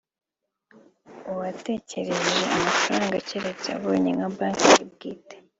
uwatekereje amafaranga keretse abonye nka Banki ye bwite